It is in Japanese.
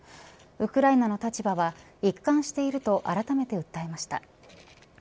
ウクライナの立場は一貫しているとあらためて訴えました。